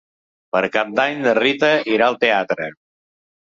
Per Cap d'Any na Rita irà al teatre.